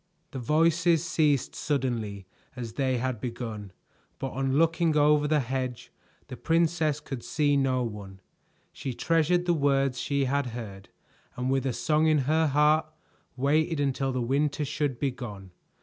The voices ceased suddenly as they had begun, but on looking over the hedge, the princess could see no one. She treasured the words she had heard, and with a song in her heart, waited until the winter should be gone.